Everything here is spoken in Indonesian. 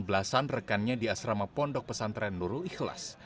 belasan rekannya di asrama pondok pesantren nurul ikhlas